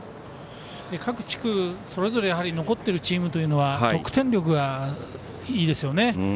各地区、それぞれ残っているチームというのは得点力がいいですよね。